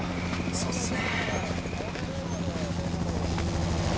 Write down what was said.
そうっすね。